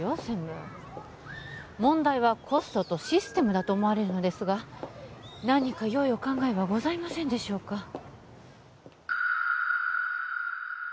専務問題はコストとシステムだと思われるのですが何かよいお考えはございませんでしょうか？